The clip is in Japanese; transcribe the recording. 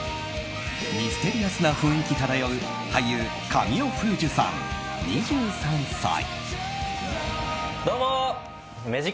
ミステリアスな雰囲気漂う俳優・神尾楓珠さん、２３歳。